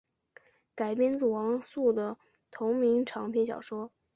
改编自王朔的同名长篇小说。